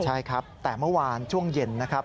ใช่ครับแต่เมื่อวานช่วงเย็นนะครับ